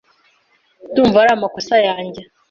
Ndumva ari amakosa yanjye.